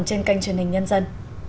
trên kênh truyền hình nhân dân